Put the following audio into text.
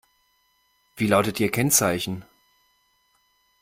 Wie lautet ihr Kennzeichen?